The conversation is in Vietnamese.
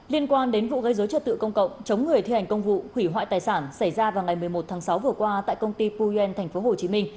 liên quan đến vụ gây dối trật tự công cộng chống người thi hành công vụ hủy hoại tài sản xảy ra vào ngày một mươi một tháng sáu vừa qua tại công ty puyen tp hcm